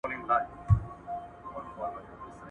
که موږ خپله ژبه وپالو، نو زموږ کلتوري ریښې خوندي به وي.